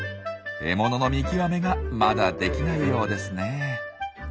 獲物の見極めがまだできないようですね。